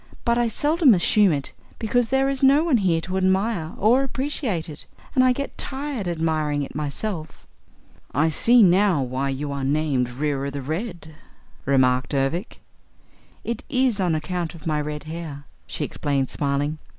But I seldom assume it because there is no one here to admire or appreciate it and I get tired admiring it myself." "I see now why you are named Reera the Red," remarked Ervic. "It is on account of my red hair," she explained smiling.